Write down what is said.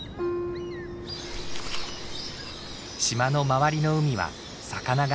島の周りの海は魚が豊富。